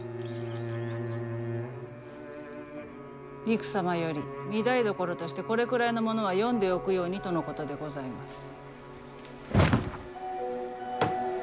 りく様より御台所としてこれくらいのものは読んでおくようにとのことでございます。